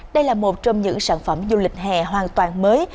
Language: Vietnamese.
đây là một trong những sản phẩm du lịch hè hoàn toàn mới